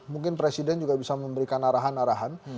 mungkin presiden juga bisa memberikan arahan arahan